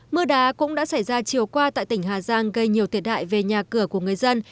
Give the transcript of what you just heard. mưa đá cũng đã xảy ra chiều qua tại tỉnh hà giang gây nhiều thiệt hại về nhà cửa của người dân